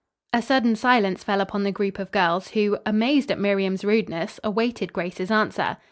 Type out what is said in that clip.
A sudden silence fell upon the group of girls, who, amazed at Miriam's rudeness, awaited Grace's answer.